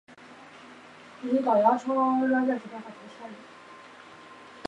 该组织谋求通过武装斗争来建立自治政府。